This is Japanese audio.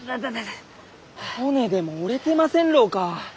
骨でも折れてませんろうか！？